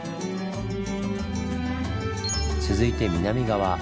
続いて南側。